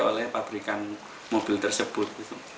oleh pabrikan mobil tersebut